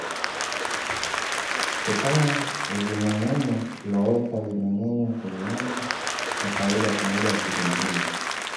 Kusanya vimengenywa loweka vimengenywa kwenye maji ya kawaida kwa muda wa siku nzima